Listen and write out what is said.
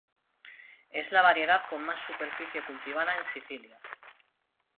Es la variedad con más superficie cultivada en Sicilia.